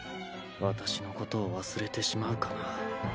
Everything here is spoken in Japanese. わたしのことを忘れてしまうかな。